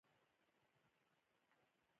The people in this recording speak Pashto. باران ژوند راوړي.